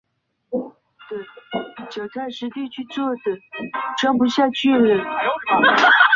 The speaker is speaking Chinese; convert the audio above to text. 其他游戏像是撞球或下棋都可以提升游戏兴趣的热衷度。